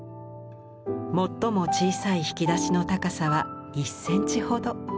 最も小さい引き出しの高さは１センチほど。